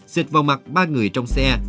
xịt vào mặt ba người trong xe